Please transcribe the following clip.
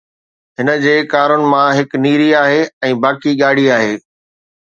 هن جي ڪارن مان هڪ نيري آهي ۽ باقي ڳاڙهي آهي